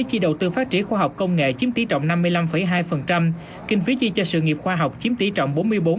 chi đầu tư phát triển khoa học công nghệ chiếm tỷ trọng năm mươi năm hai kinh phí chi cho sự nghiệp khoa học chiếm tỷ trọng bốn mươi bốn bốn